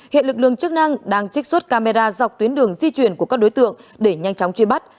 hiện lực lượng chức năng đang trích xuất camera dọc tuyến đường di chuyển của các đối tượng để nhanh chóng truy bắt